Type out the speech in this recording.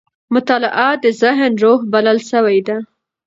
مطالعه د ذهن روح بلل سوې ده.